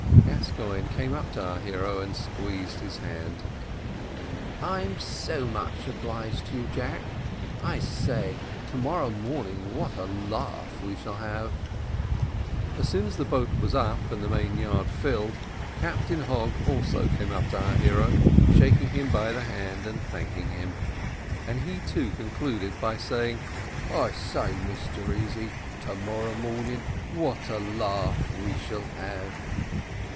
Gascoigne came up to our hero and squeezed his hand. "I'm so much obliged to you, Jack. I say, tomorrow morning what a laugh we shall have!" As soon as the boat was up, and the mainyard filled, Captain Hogg also came up to our hero, shaking him by the hand and thanking him; and he, too, concluded by saying, "I say, Mr Easy, to morrow morning what a laugh we shall have!"